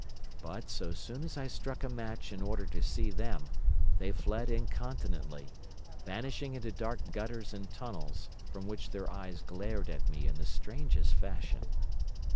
But, so soon as I struck a match in order to see them, they fled incontinently, vanishing into dark gutters and tunnels, from which their eyes glared at me in the strangest fashion.